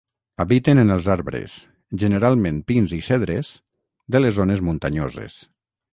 Habiten en els arbres, generalment pins i cedres, de les zones muntanyoses.